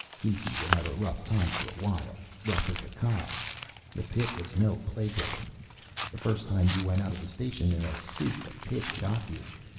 Keesey would have a rough time for a while rough as a cob. The pit was no playground. The first time you went out of the station in a suit, the pit got you.